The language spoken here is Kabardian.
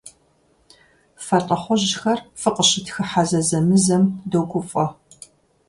Фэ лӀыхъужьхэр фыкъыщытхыхьэ зэзэмызэм догуфӀэ.